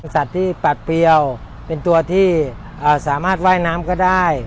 สัตว์ที่ปัดเปรี้ยวเป็นตัวที่สามารถว่ายน้ำก็ได้